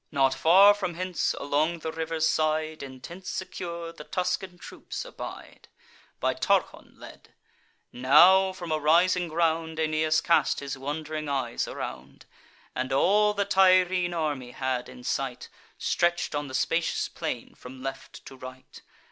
Not far from hence, along the river's side, In tents secure, the Tuscan troops abide, By Tarchon led. Now, from a rising ground, Aeneas cast his wond'ring eyes around, And all the Tyrrhene army had in sight, Stretch'd on the spacious plain from left to right.